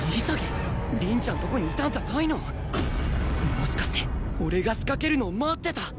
もしかして俺が仕掛けるのを待ってた？